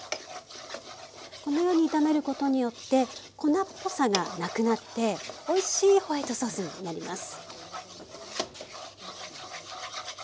このように炒めることによって粉っぽさがなくなっておいしいホワイトソースになります。